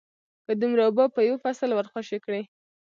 که دومره اوبه په یو فصل ورخوشې کړې